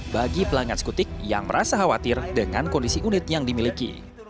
bagi pelanggan skutik yang merasa khawatir dengan kondisi unit yang dimiliki